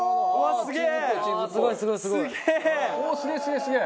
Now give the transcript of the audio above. すげえ！